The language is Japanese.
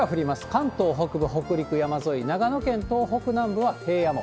関東北部、北陸、山沿い、長野県東北南部は平野も、